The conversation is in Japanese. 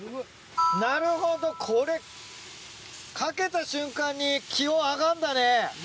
なるほどこれかけた瞬間に気温上がんだね。